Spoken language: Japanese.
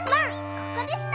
ここでした！